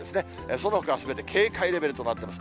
そのほかはすべて警戒レベルとなってます。